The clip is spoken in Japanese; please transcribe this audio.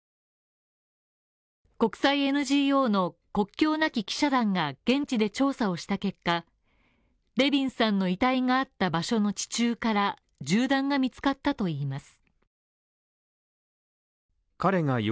国際ＮＧＯの国境なき記者団が現地で調査をした結果、レビンさんの遺体があった場所の地中から銃弾が見つかったといいます。